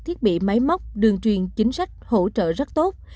thiết bị máy móc đường truyền chính sách hỗ trợ rất tốt